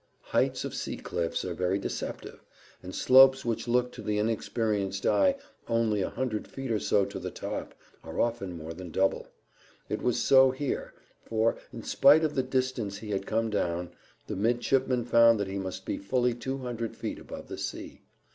Heights of sea cliffs are very deceptive, and slopes which look to the inexperienced eye only a hundred feet or so to the top, are often more than double. It was so here, for, in spite of the distance he had come down, the midshipman found that he must be fully two hundred feet above the sea.